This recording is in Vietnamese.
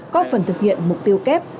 có phần thực hiện mục tiêu kép